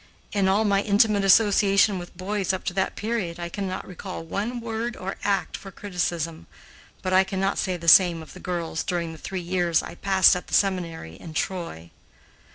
In all my intimate association with boys up to that period, I cannot recall one word or act for criticism, but I cannot say the same of the girls during the three years I passed at the seminary in Troy.